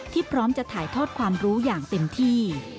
พร้อมจะถ่ายทอดความรู้อย่างเต็มที่